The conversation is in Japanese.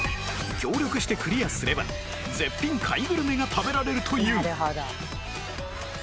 協力してクリアすれば絶品貝グルメが食べられるという